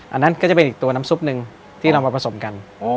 อันนั้นก็จะเป็นอีกตัวน้ำซุปหนึ่งที่เรามาผสมกัน